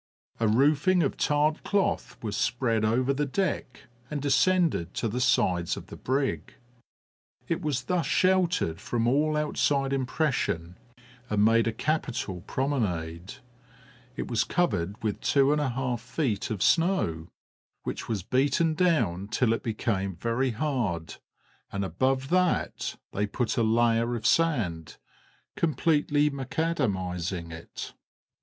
A roofing of tarred cloth was spread over the deck and descended to the sides of the brig. It was thus sheltered from all outside impression, and made a capital promenade; it was covered with two feet and a half of snow, which was beaten down till it became very hard, and above that they put a layer of sand, completely macadamising it.